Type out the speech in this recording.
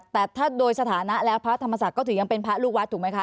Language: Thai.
แต่ถ้าโดยสถานะแล้วพระธรรมศักดิ์ก็ถือยังเป็นพระลูกวัดถูกไหมคะ